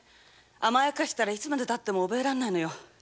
甘やかしたらいつまでたっても覚えられないのよ。